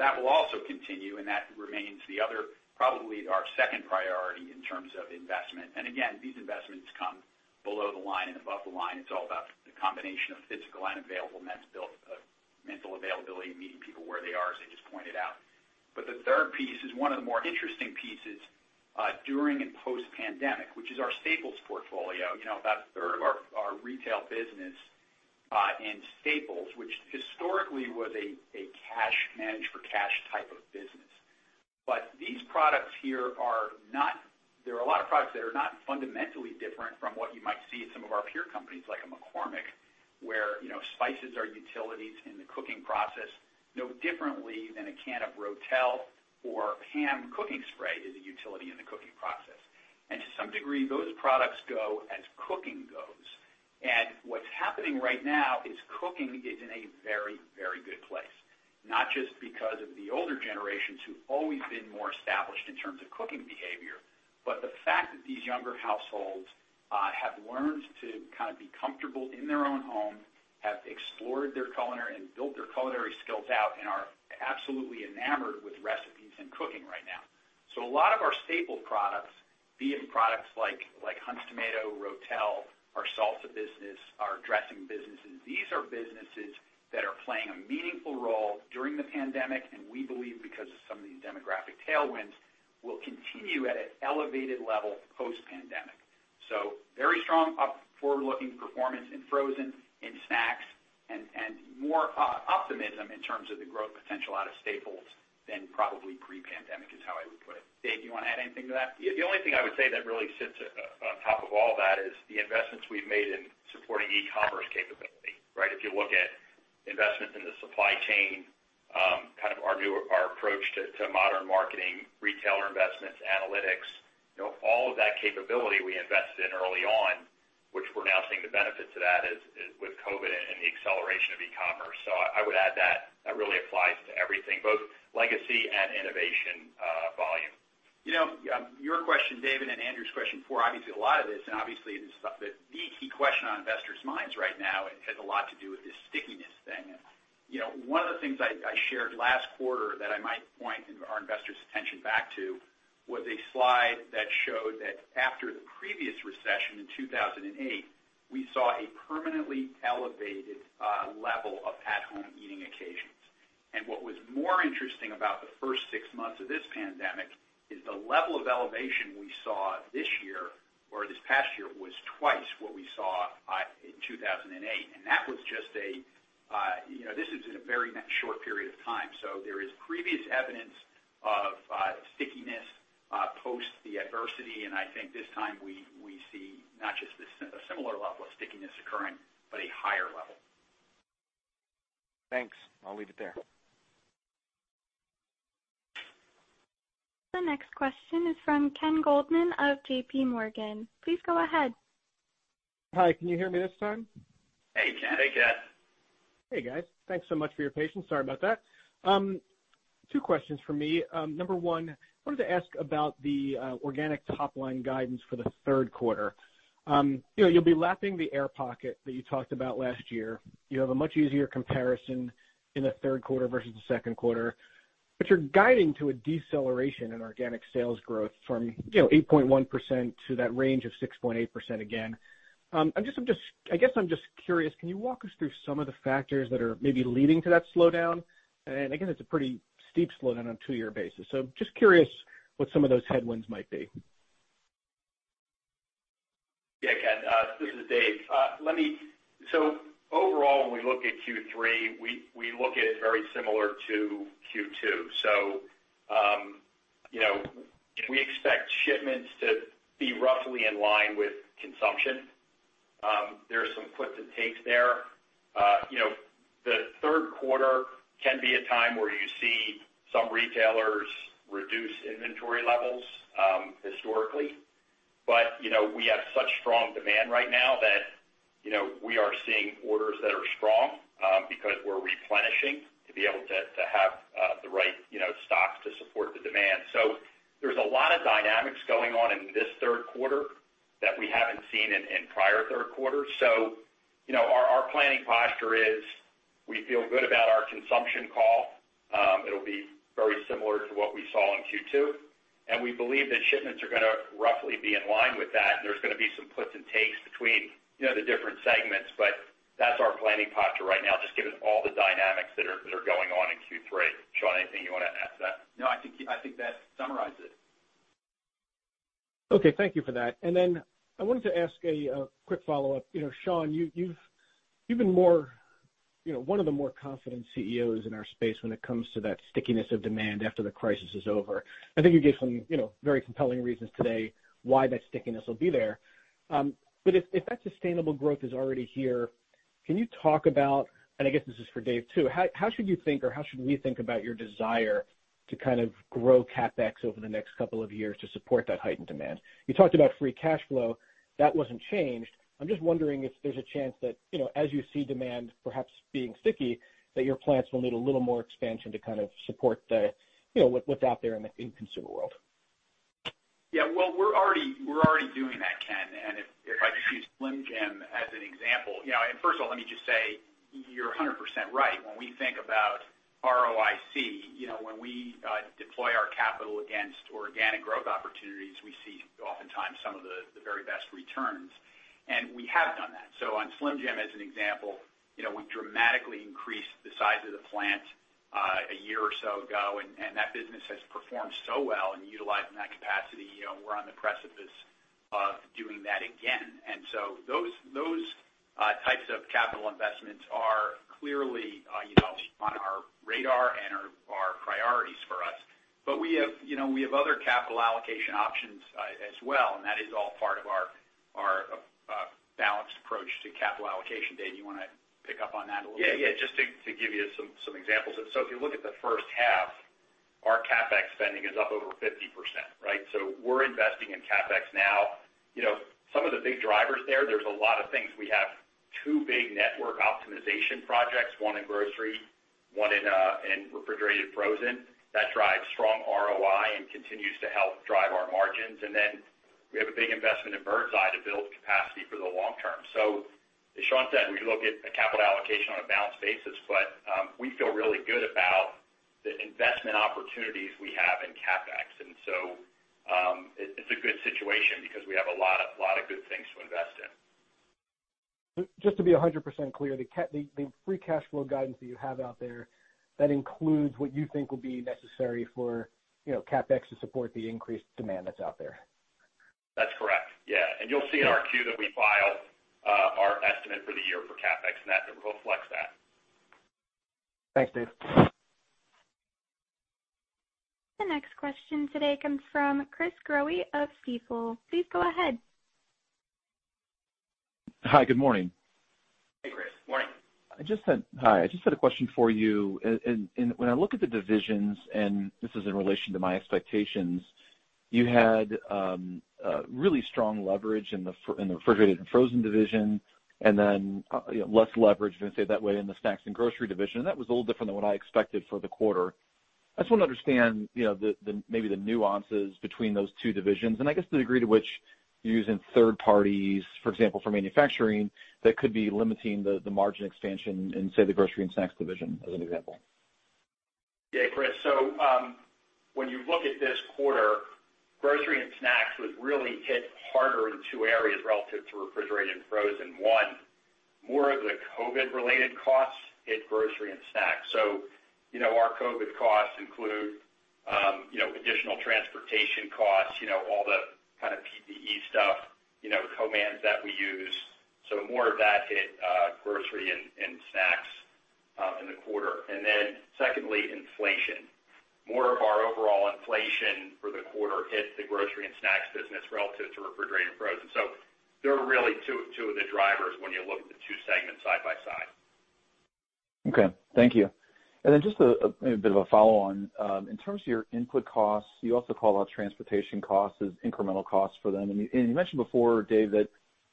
[SPEAKER 3] That will also continue, and that remains the other, probably, our second priority in terms of investment. Again, these investments come below the line and above the line. It's all about the combination of physical and available net sales, mental availability, meeting people where they are, as I just pointed out. The third piece is one of the more interesting pieces, during and post-pandemic, which is our staples portfolio. You know, about 1/3 of our retail business in staples, which historically was a cash, manage-for-cash type of business. But these products here are not, there are a lot of products that are not fundamentally different from what you might see at some of our peer companies, like a McCormick, where spices are utilities in the cooking process, no differently than a can of RO*TEL or PAM cooking spray is a utility in the cooking process. To some degree, those products go as cooking goes. What's happening right now is cooking is in a very, very good place, not just because of the older generations who've always been more established in terms of cooking behavior, but the fact that these younger households have learned to kind of be comfortable in their own home, have explored their culinary and built their culinary skills out, and are absolutely enamored with recipes and cooking right now. A lot of our staple products, be it products like Hunt's Tomato, RO*TEL, our salsa business, our dressing businesses, these are businesses that are playing a meaningful role during the pandemic, and we believe because of some of these demographic tailwinds, will continue at an elevated level post-pandemic. So, very strong up, forward-looking performance in frozen, in snacks, and more optimism in terms of the growth potential out of staples than probably pre-pandemic is how I would put it. Dave, you want to add anything to that?
[SPEAKER 4] The only thing I would say that really sits on top of all that is the investments we've made in supporting e-commerce capability, right? If you look at investments in the supply chain, kind of our approach to modern marketing, retailer investments, analytics, all of that capability we invested in early on, which we're now seeing the benefits of that is with COVID and the acceleration of e-commerce. So, I would add that. That really applies to everything, both legacy and innovation volume.
[SPEAKER 3] You know, your question, David, and Andrew's question before, obviously a lot of this, and obviously the key question on investors' minds right now has a lot to do with this stickiness thing. One of the things I shared last quarter that I might point our investors' attention back to was a slide that showed that after the previous recession in 2008, we saw a permanently elevated level of at-home eating occasions. What was more interesting about the first six months of this pandemic is the level of elevation we saw this year or this past year was twice what we saw in 2008, and that was just a, you know, this is in a very short period of time. So, there is previous evidence of stickiness post the adversity, and I think this time we see not just a similar level of stickiness occurring, but a higher level.
[SPEAKER 6] Thanks. I'll leave it there.
[SPEAKER 1] The next question is from Ken Goldman of JPMorgan. Please go ahead.
[SPEAKER 7] Hi, can you hear me this time?
[SPEAKER 3] Hey, Ken.
[SPEAKER 4] Hey, Ken.
[SPEAKER 7] Hey, guys. Thanks so much for your patience, sorry about that. Two questions for me. Number one, wanted to ask about the organic top-line guidance for the third quarter. You know, you'll be lapping the air pocket that you talked about last year. You have a much easier comparison in the third quarter versus the second quarter, but you're guiding to a deceleration in organic sales growth from 8.1% to that range of 6.8% again. I guess I'm just curious, can you walk us through some of the factors that are maybe leading to that slowdown? Again, it's a pretty steep slowdown on a two-year basis, so just curious what some of those headwinds might be.
[SPEAKER 4] Yeah, Ken. This is Dave. Let me, so overall, when we look at Q3, we look at it very similar to Q2, so we expect shipments to be roughly in line with consumption. There are some puts and takes there. You know, the third quarter can be a time where you see some retailers reduce inventory levels, historically. But we have such strong demand right now that, you know, we are seeing orders that are strong because we're replenishing to be able to have the right stocks to support the demand. There's a lot of dynamics going on in this third quarter that we haven't seen in prior third quarters, so, you know, our planning posture is we feel good about our consumption call. It'll be very similar to what we saw in Q2, and we believe that shipments are gonna roughly be in line with that, there's gonna be some puts and takes between the different segments. But that's our planning posture right now, just given all the dynamics that are going on in Q3. Sean, anything you want to add to that?
[SPEAKER 3] No, I think that summarizes it.
[SPEAKER 7] Okay. Thank you for that. Then, I wanted to ask a quick follow-up. Sean, you've been one of the more confident CEOs in our space when it comes to that stickiness of demand after the crisis is over. I think you gave some very compelling reasons today why that stickiness will be there. But if that sustainable growth is already here, can you talk about, and I guess this is for Dave too, how should you think or how should we think about your desire to kind of grow CapEx over the next couple of years to support that heightened demand? You talked about free cash flow. That wasn't changed. I'm just wondering if there's a chance that, you know, as you see demand perhaps being sticky, that your plants will need a little more expansion to kind of support the, you know, what's out there in the consumer world.
[SPEAKER 3] Yeah. Well, we're already, we're already doing that, Ken. If I could use Slim Jim as an example, you know, first of all, let me just say, you're 100% right. When we think about ROIC, when we deploy our capital against organic growth opportunities, we see oftentimes some of the very best returns, and we have done that. On Slim Jim, as an example, we dramatically increased the size of the plant a year or so ago, and that business has performed so well in utilizing that capacity. We're on the precipice of doing that again. Those types of capital investments are clearly on our radar and are priorities for us. But we have other capital allocation options as well, and that is all part of our balanced approach to capital allocation. Dave, you want to pick up on that a little bit?
[SPEAKER 4] Yeah. Just to give you some examples, so if you look at the first half, our CapEx spending is up over 50%, right? We're investing in CapEx now. Some of the big drivers there, there's a lot of things. We have two big network optimization projects, one in grocery, one in refrigerated frozen, that drive strong ROI and continues to help drive our margins. And then, we have a big investment in Birds Eye to build capacity for the long term. As Sean said, we look at the capital allocation on a balanced basis, but we feel really good about the investment opportunities we have in CapEx. It's a good situation because we have a lot of good things to invest in.
[SPEAKER 7] Just to be 100% clear, the free cash flow guidance that you have out there, that includes what you think will be necessary for CapEx to support the increased demand that's out there.
[SPEAKER 4] That's correct. Yeah, and you'll see in our Q that we file our estimate for the year for CapEx, and that number reflects that.
[SPEAKER 7] Thanks, Dave.
[SPEAKER 1] The next question today comes from Chris Growe of Stifel. Please go ahead.
[SPEAKER 8] Hi, good morning.
[SPEAKER 3] Hey, Chris, morning.
[SPEAKER 8] Hi. I just had a question for you. When I look at the divisions, and this is in relation to my expectations, you had really strong leverage in the refrigerated and frozen division, and then less leverage than, say, that way in the snacks and grocery division. That was a little different than what I expected for the quarter. I just want to understand, you know, maybe the nuances between those two divisions, and I guess the degree to which using third parties, for example, for manufacturing, that could be limiting the margin expansion in, say, the grocery and snacks division as an example.
[SPEAKER 4] Yeah, Chris. When you look at this quarter, grocery and snacks was really hit harder in two areas relative to refrigerated and frozen. One, more of the COVID-related costs hit grocery and snacks. Our COVID costs include additional transportation costs, all the kind of PPE stuff, you know, garments that we use. More of that hit grocery and snacks in the quarter. Secondly, inflation. More of our overall inflation for the quarter hit the grocery and snacks business relative to refrigerated and frozen. They're really two of the drivers when you look at the two segments side by side.
[SPEAKER 8] Okay. Thank you. Just a bit of a follow-on. In terms of your input costs, you also call out transportation costs as incremental costs for them. You mentioned before, David, that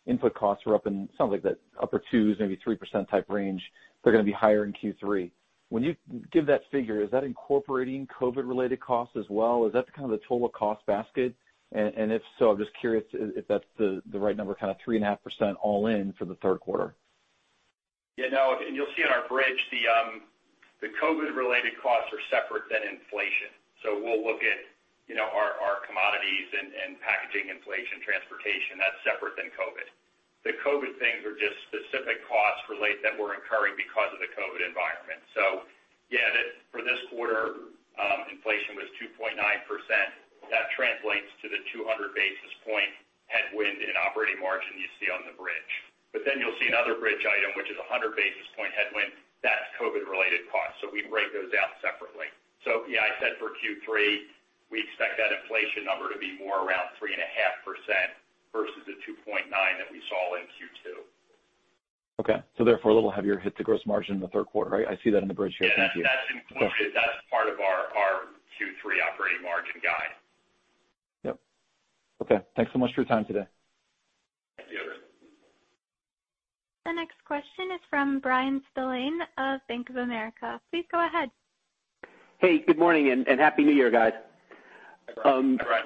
[SPEAKER 8] input costs were up in something like that upper 2%s, maybe 3%-type range, they're going to be higher in Q3. When you give that figure, is that incorporating COVID-related costs as well? Is that kind of the total cost basket? If so, I'm just curious if that's the right number, kind of 3.5% all in for the third quarter.
[SPEAKER 4] Yeah, no. You'll see in our bridge, the COVID-related costs are separate than inflation, so we'll look at our commodities and packaging inflation, transportation, that's separate than COVID. The COVID things are just specific costs related, that we're incurring because of the COVID environment. So, yeah, for this quarter, inflation was 2.9%. That translates to the 200-basis-point headwind in operating margin you see on the bridge. Then, you'll see another bridge item, which is 100-basis-point headwind. That's COVID-related costs. We break those out separately. Yeah, I said for Q3, we expect that inflation number to be more around 3.5% versus the 2.9% that we saw in Q2.
[SPEAKER 8] Okay. So therefore, a little heavier hit to gross margin in the third quarter, right? I see that in the bridge here. Thank you.
[SPEAKER 4] Yeah, that's included. That's part of our Q3 operating margin guide.
[SPEAKER 8] Yep. Okay. Thanks so much for your time today.
[SPEAKER 4] Thank you.
[SPEAKER 1] The next question is from Bryan Spillane of Bank of America. Please go ahead.
[SPEAKER 9] Hey, good morning, and Happy New Year, guys.
[SPEAKER 3] Hi, Bryan.
[SPEAKER 4] Hi, Bryan.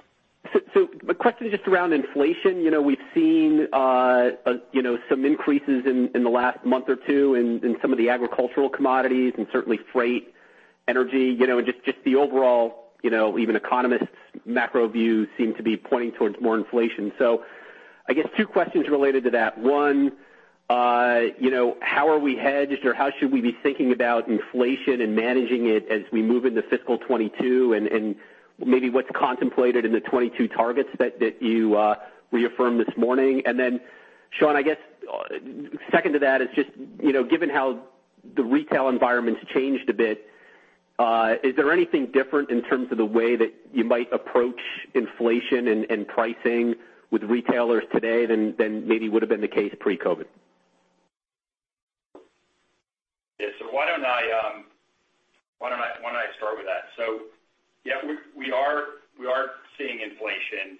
[SPEAKER 9] So, a question just around inflation. You know, we've seen some increases in the last month or two in some of the agricultural commodities and certainly freight, energy, and just the overall, you know, even economists' macro view seem to be pointing towards more inflation, so I guess two questions related to that. One, how are we hedged or how should we be thinking about inflation and managing it as we move into fiscal 2022, and maybe what's contemplated in the 2022 targets that you reaffirmed this morning? Then, Sean, I guess, second to that is just, given how the retail environment's changed a bit, is there anything different in terms of the way that you might approach inflation and pricing with retailers today than maybe would've been the case pre-COVID?
[SPEAKER 4] Yeah. Why don't I start with that? Yeah, we are seeing inflation.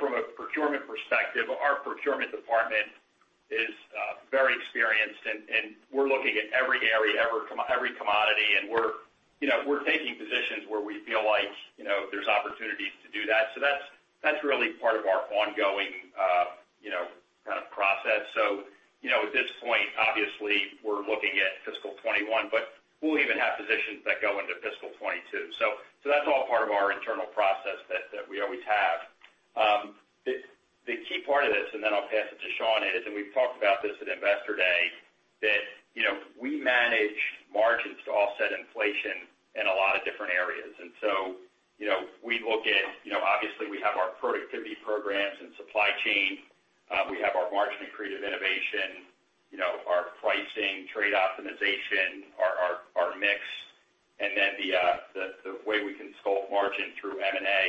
[SPEAKER 4] From a procurement perspective, our procurement department is very experienced, and we're looking at every area, every commodity, and we're taking positions where we feel like there's opportunities to do that. That's really part of our ongoing, you know, kind of process. At this point, obviously, we're looking at fiscal 2021, but we'll even have positions that go into fiscal 2022. That's all part of our internal process that we always have. The key part of this, and then I'll pass it to Sean, is, and we've talked about this at Investor Day, that we manage margins to offset inflation in a lot of different areas. We look at, obviously, we have our productivity programs and supply chain. We have our margin accretive innovation, our pricing, trade optimization, our mix, and then the way we can sculpt margin through M&A.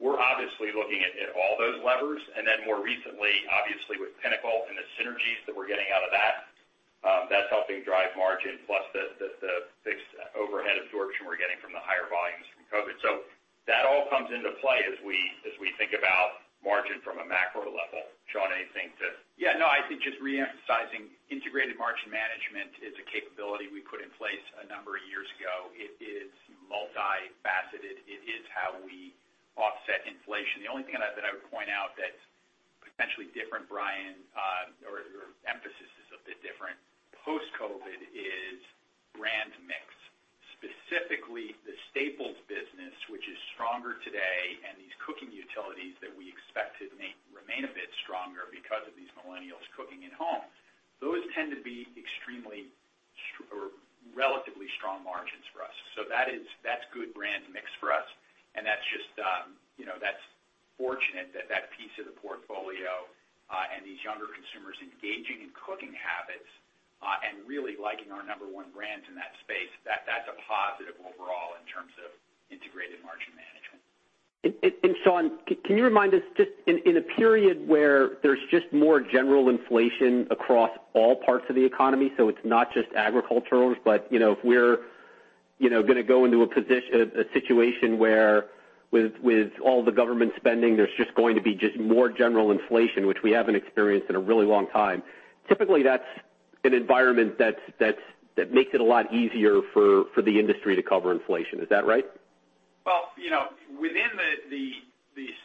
[SPEAKER 4] We're obviously looking at all those levers, and then more recently, obviously, with Pinnacle and the synergies that we're getting out of that, that's helping drive margin, plus the fixed overhead absorption we're getting from the higher volumes from COVID. That all comes into play as we think about margin from a macro level. Sean, anything to?
[SPEAKER 3] Yeah. No, I think just re-emphasizing Integrated Margin Management is a capability we put in place a number of years ago. It is multifaceted. It is how we offset inflation. The only thing that I would point out that's potentially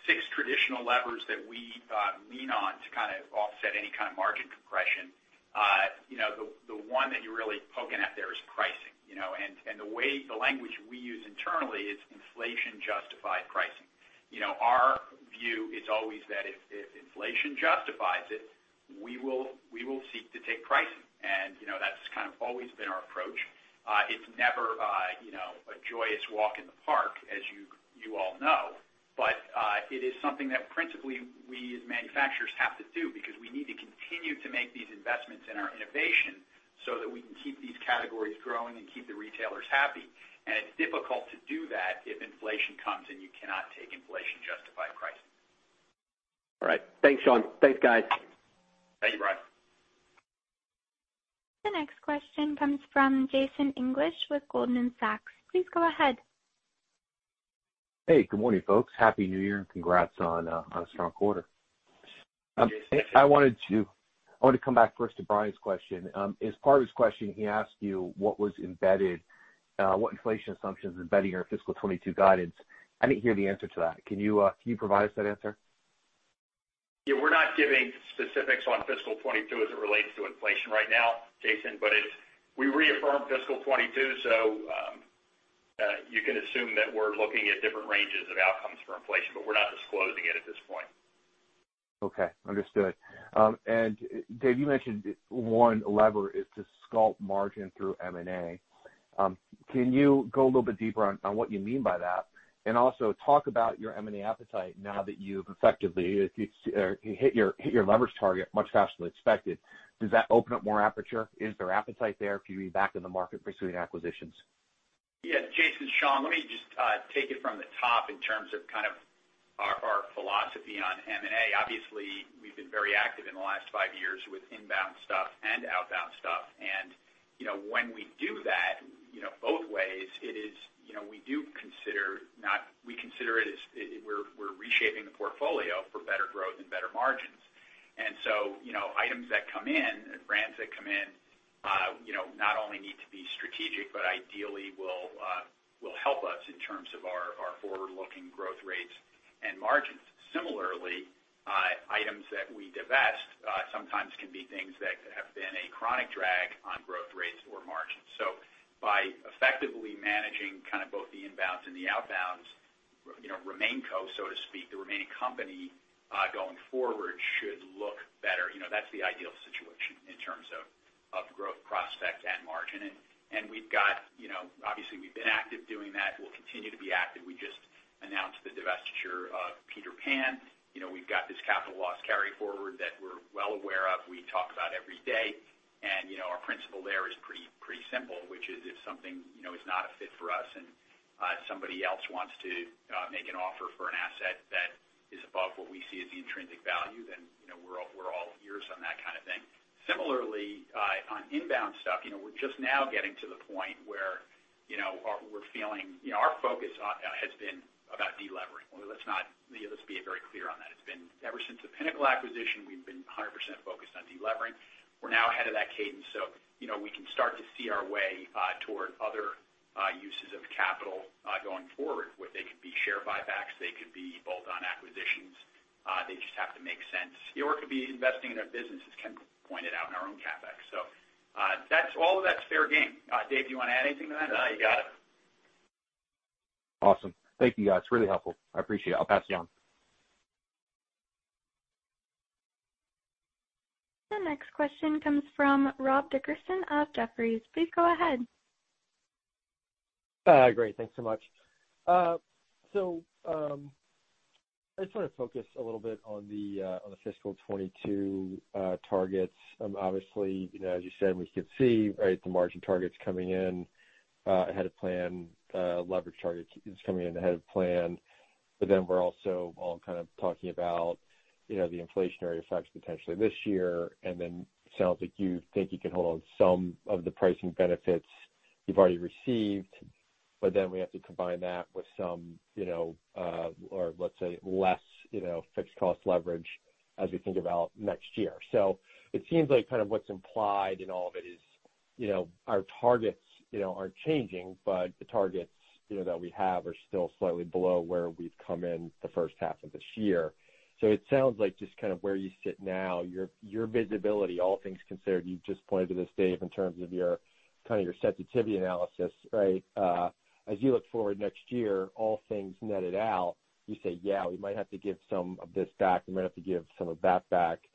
[SPEAKER 3] six traditional levers that we lean on to kind of offset any kind of margin compression, the one that you're really poking at there is pricing, you know, and the way, the language we use internally is inflation-justified pricing. Our view is always that if inflation justifies it, we will seek to take pricing, and that's kind of always been our approach. It's never a joyous walk in the park, as you all know, but it is something that principally, we, as manufacturers, have to do because we need to continue to make these investments in our innovation so that we can keep these categories growing and keep the retailers happy. It's difficult to do that if inflation comes and you cannot take inflation-justified pricing.
[SPEAKER 9] All right. Thanks, Sean. Thanks, guys.
[SPEAKER 3] Thank you, Bryan.
[SPEAKER 1] The next question comes from Jason English with Goldman Sachs. Please go ahead.
[SPEAKER 10] Hey, good morning, folks. Happy New Year, and congrats on a strong quarter.
[SPEAKER 3] Hey, Jason.
[SPEAKER 10] I wanted to come back first to Bryan's question. As part of his question, he asked you what was embedded, what inflation assumptions are embedded in our fiscal 2022 guidance. I didn't hear the answer to that. Can you provide us that answer?
[SPEAKER 4] We're not giving specifics on fiscal 2022 as it relates to inflation right now, Jason, but we reaffirmed fiscal 2022, so you can assume that we're looking at different ranges of outcomes for inflation. We're not disclosing it at this point.
[SPEAKER 10] Okay. Understood. Dave, you mentioned one lever is to sculpt margin through M&A. Can you go a little bit deeper on what you mean by that and also talk about your M&A appetite now that you've effectively hit your leverage target much faster than expected. Does that open up more aperture? Is there appetite there for you to be back in the market pursuing acquisitions?
[SPEAKER 3] Yeah. Jason, Sean, let me just take it from the top in terms of kind of our philosophy on M&A. Obviously, we've been very active in the last five years with inbound stuff and outbound stuff. When we do that, both ways, it is, you know, we do consider not, we consider it as we're reshaping the portfolio for better growth and better margins. And so, items that come in and brands that come in, not only need to be strategic, but ideally will help us in terms of our forward-looking growth rates and margins. Similarly, items that we divest sometimes can be things that have been a chronic drag on growth rates or margins. By effectively managing kind of both the inbounds and the outbounds, RemainCo, so to speak, the remaining company, going forward, should look better. That's the ideal situation in terms of growth prospect and margin. And we've got, you know, obviously, we've been active doing that, we'll continue to be active. We just announced the divestiture of Peter Pan. We've got this capital loss carryforward that we're well aware of, we talk about every day. Our principle there is pretty simple, which is if something is not a fit for us and somebody else wants to make an offer for an asset that is above what we see as the intrinsic value, then we're all ears on that kind of thing. Similarly, on inbound stuff, we're just now getting to the point where we're feeling, you know, our focus has been about de-levering. Let's be very clear on that. Ever since the Pinnacle acquisition, we've been 100% focused on delevering. We're now ahead of that cadence, so we can start to see our way toward other uses of capital going forward. They could be share buybacks, they could be bolt-on acquisitions. They just have to make sense. It could be investing in our business, as Ken pointed out, in our own CapEx. All of that's fair game. Dave, do you want to add anything to that?
[SPEAKER 4] No, you got it.
[SPEAKER 10] Awesome. Thank you, guys. Really helpful. I appreciate it. I'll pass it on.
[SPEAKER 1] The next question comes from Rob Dickerson of Jefferies. Please go ahead.
[SPEAKER 11] Great. Thanks so much. I just want to focus a little bit on the fiscal 2022 targets. Obviously, as you said, we could see the margin targets coming in ahead of plan. Leverage targets is coming in ahead of plan. We're also all kind of talking about the inflationary effects potentially this year and then sounds like you think you can hold on some of the pricing benefits you've already received. But then we have to combine that with some, you know, or let's say less fixed cost leverage as we think about next year. It seems like kind of what's implied in all of it is our targets aren't changing, but the targets that we have are still slightly below where we've come in the first half of this year. It sounds like just kind of where you sit now, your visibility, all things considered, you just pointed to this, Dave, in terms of your kind of sensitivity analysis, right? As you look forward next year, all things netted out, you say, "Yeah, we might have to give some of this back. We might have to give some of that back."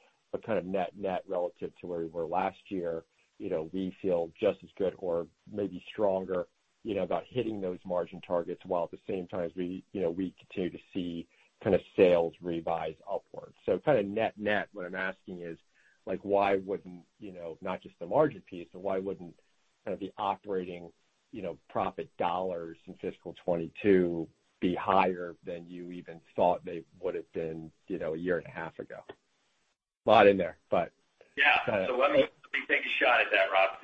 [SPEAKER 11] Kind of net net relative to where we were last year, we feel just as good or maybe stronger about hitting those margin targets, while at the same time we continue to see kind of sales revise upwards. So, kind of net net, what I'm asking is, like why wouldn't, you know, not just the margin piece, but why wouldn't kind of the operating profit dollars in fiscal 2022 be higher than you even thought they would have been a year and a half ago? A lot in there.
[SPEAKER 4] Let me take a shot at that, Rob.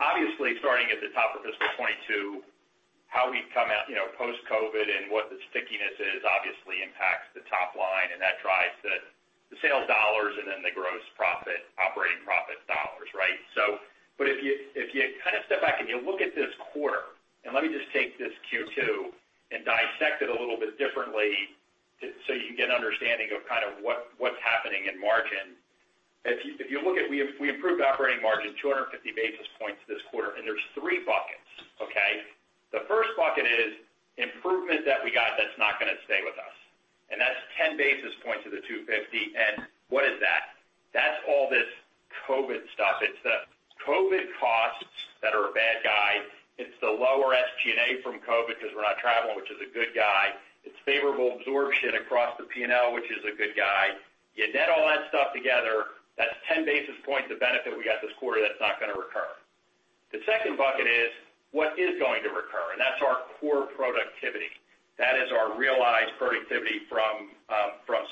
[SPEAKER 4] Obviously, starting at the top of fiscal 2022, how we come out post-COVID and what the stickiness is obviously impacts the top line, and that drives the sales dollars and then the gross profit, operating profit dollars, right? If you kind of step back and you look at this quarter, and let me just take this Q2 and dissect it a little bit differently so you can get an understanding of kind of what's happening in margin, we improved operating margin 250 basis points this quarter, and there's three buckets. Okay? The first bucket is improvement that we got that's not gonna stay with us, and that's 10 basis points of the 250. What is that? That's all this COVID stuff. It's the COVID costs that are a bad guy. It's the lower SG&A from COVID because we're not traveling, which is a good guy. It's favorable absorption across the P&L, which is a good guy. You net all that stuff together, that's 10 basis points of benefit we got this quarter that's not gonna recur. The second bucket is what is going to recur, and that's our core productivity. That is our realized productivity from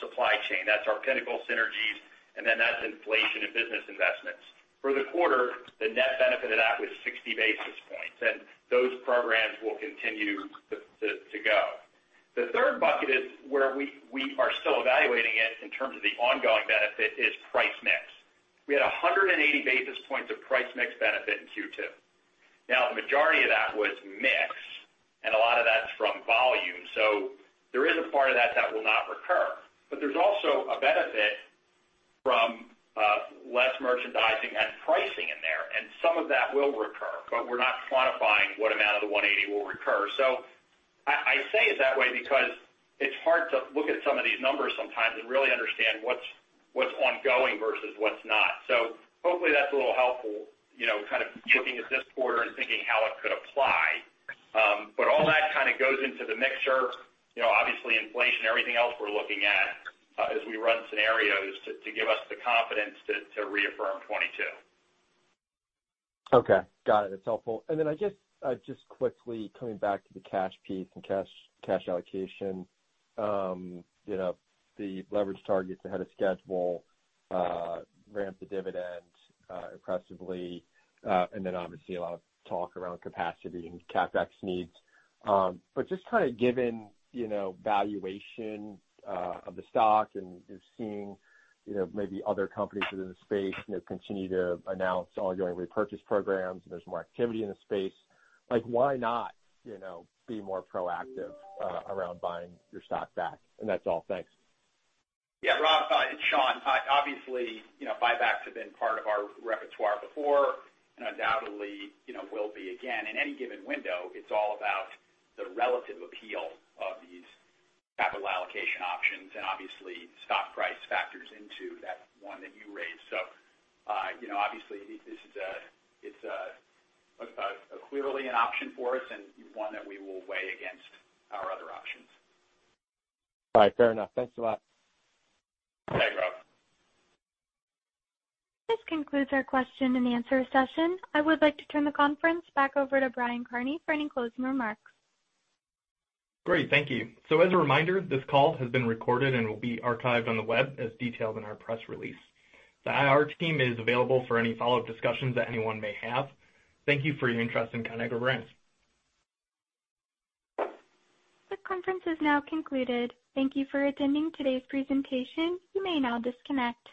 [SPEAKER 4] supply chain. That's our Pinnacle synergies, and then that's inflation and business investments. For the quarter, the net benefit of that was 60 basis points, and those programs will continue to go. The third bucket is where we are still evaluating it in terms of the ongoing benefit, is price mix. We had 180 basis points of price mix benefit in Q2. Now, the majority of that was mix, and a lot of that's from volume. So, there is a part of that that will not recur. There's also a benefit from less merchandising and pricing in there, and some of that will recur. We're not quantifying what amount of the 180 will recur. So, I say it that way because it's hard to look at some of these numbers sometimes and really understand what's ongoing versus what's not. Hopefully, that's a little helpful, you know, kind of looking at this quarter and thinking how it could apply. All that kind of goes into the mixture. Obviously, inflation, everything else we're looking at as we run scenarios to give us the confidence to reaffirm 2022.
[SPEAKER 11] Okay. Got it. It's helpful. Then, just quickly coming back to the cash piece and cash allocation. The leverage targets ahead of schedule ramped the dividend impressively, and then obviously, a lot of talk around capacity and CapEx needs. Just kind of given valuation of the stock and seeing maybe other companies within the space continue to announce ongoing repurchase programs, and there's more activity in the space, like, why not be more proactive around buying your stock back? That's all. Thanks.
[SPEAKER 3] Yeah, Rob, it's Sean. Obviously, buybacks have been part of our repertoire before and undoubtedly, will be again. In any given window, it's all about the relative appeal of these capital allocation options. Obviously, stock price factors into that one that you raised. Obviously, this is clearly an option for us and one that we will weigh against our other options.
[SPEAKER 11] All right. Fair enough. Thanks a lot.
[SPEAKER 3] Thanks, Rob.
[SPEAKER 1] This concludes our question-and-answer session. I would like to turn the conference back over to Brian Kearney for any closing remarks.
[SPEAKER 2] Great. Thank you. As a reminder, this call has been recorded and will be archived on the web as detailed in our press release. The IR team is available for any follow-up discussions that anyone may have. Thank you for your interest in Conagra Brands.
[SPEAKER 1] This conference is now concluded. Thank you for attending today's presentation. You may now disconnect.